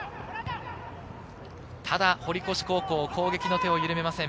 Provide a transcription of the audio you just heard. ただ堀越高校、攻撃の手を緩めません。